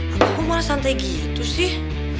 abah kok malah santai gitu sih